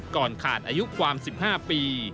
ก่อนขาดอายุความ๑๕ปี